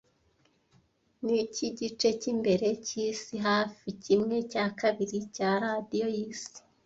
Niki gice cyimbere cyisi hafi kimwe cya kabiri cya radiyo yisi